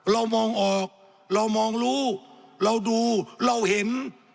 เรามองออกเรามองรู้เราดูเราเห็น